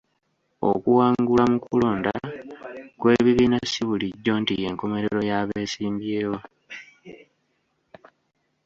Okuwangulwa mu kulonda kw'ebibiina si bulijjo nti y'enkomerero y'abesimbyewo.